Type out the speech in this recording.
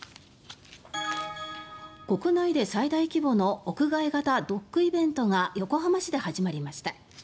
国内で最大規模の屋外型ドッグイベントが横浜市で始まりました。